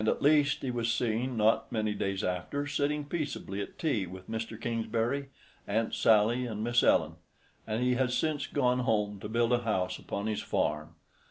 At least he was seen, not many days after, sitting peaceably at tea with Mr. Kingsbury, Aunt Sally, and Miss Ellen; and he has since gone home to build a house upon his farm.